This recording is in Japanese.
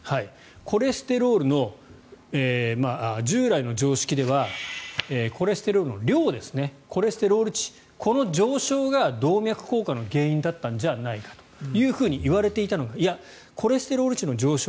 コレステロールの従来の常識ではコレステロールの量コレステロール値この上昇が動脈硬化の原因だったんじゃないかといわれていたのがいや、コレステロール値の上昇